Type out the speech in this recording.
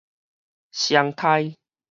雙胎